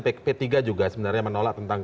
p tiga juga sebenarnya menolak tentang